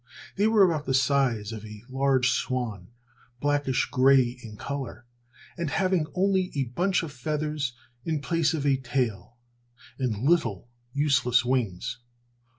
They were about the size of a large swan, blackish gray in color and having only a bunch of feathers in place of a tail, and little, useless wings.